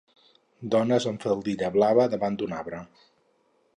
Dones amb faldilla blava davant d'un arbre